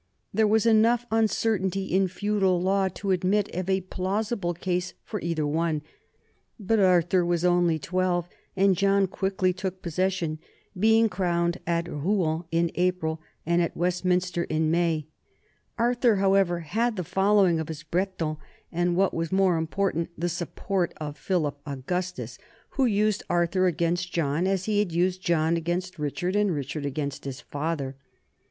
There was enough un certainty in feudal law to admit of a plausible case for either one, but Arthur was only twelve and John quickly took possession, being crowned at Rouen in April and at Westminster in May. Arthur, however, had the follow ing of his Bretons and, what was more important, the support of Philip Augustus, who used Arthur against John as he had used John against Richard and Richard against his father.